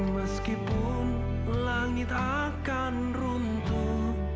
meskipun langit akan runtuh